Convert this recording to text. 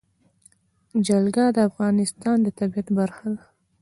جلګه د افغانستان د طبیعت برخه ده.